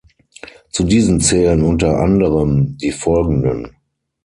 Zu diesen zählen unter anderem die folgenden.